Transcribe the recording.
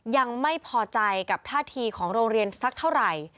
ยังไม่พอใจกับท่าทีของโรงเรียนสักเท่าไหร่